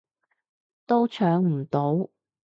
都搶唔到